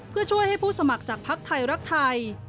เพื่อช่วยให้ผู้สมัครจากภักดิ์ไทยรักไทย